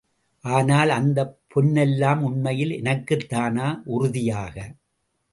ஆனால், அந்தப் பொன்னெல்லாம் உண்மையில் எனக்குத்தானா? உறுதியாக!